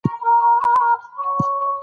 موږ به په نږدې وخت کې نوې سیالۍ ولرو.